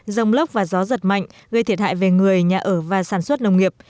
rông lốc và gió giật mạnh gây thiệt hại về người nhà ở và sản xuất nông nghiệp